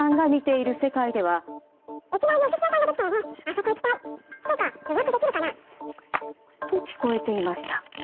「そうか予約できるかな」。と聞こえていました。